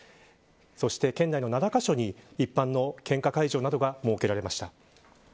そして県内の７カ所に一般の献花会場などが設けられました。